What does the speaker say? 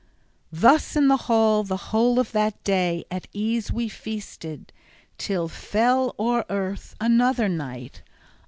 Thus in the hall the whole of that day at ease we feasted, till fell o'er earth another night.